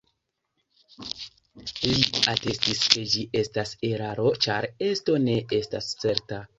Li atestis ke ĝi estas eraro ĉar esto ne estas certa.